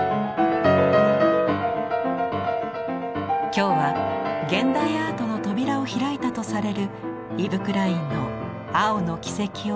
今日は現代アートの扉を開いたとされるイヴ・クラインの青の軌跡をたどります。